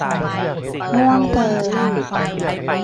ง่วงเกิน